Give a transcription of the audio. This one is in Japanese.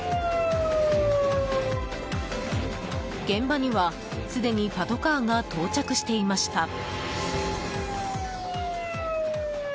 現場には、すでにパトカーが到着していました。